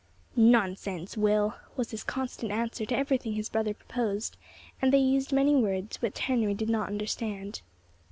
"Nonsense, Will," was his constant answer to everything his brother proposed; and they used many words which Henry did not understand.